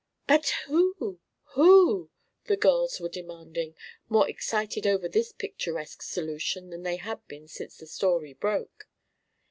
"But who? Who?" the girls were demanding, more excited over this picturesque solution than they had been since "the story broke."